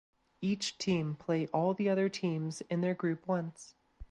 Each team play all the other teams in their group once.